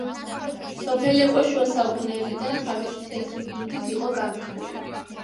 სოფელი უკვე შუა საუკუნეებიდან თავისი „თეთრი ლუდით“ იყო განთქმული.